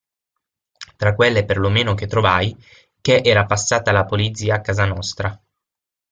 Tra quelle per lo meno che trovai, ché era passata la Polizia a casa nostra.